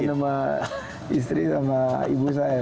ini cuma kemarin sama istri sama ibu saya